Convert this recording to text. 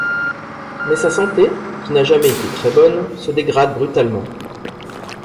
Mais sa santé, qui n'a jamais été très bonne, se dégrade brutalement.